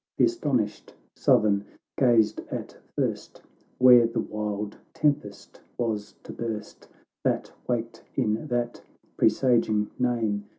The astonished Southern gazed at first, "Where the wild tempest was to burst, That waked in that presaging name.